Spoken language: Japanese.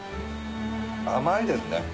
甘いですね。